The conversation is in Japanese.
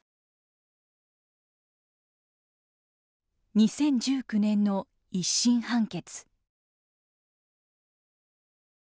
２０１９年の１審判決。